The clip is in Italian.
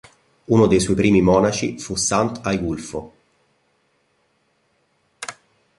Uno dei suoi primi monaci fu sant'Aigulfo.